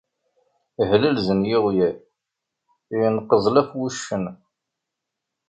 Hlalzen yiɣyal, yenqeẓlaf wuccen.